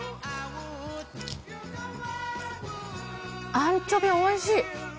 アンチョビおいしい！